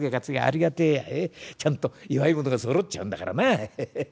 ちゃんと祝い事がそろっちゃうんだからな。ヘヘッ」。